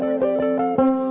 lalu dia nyaman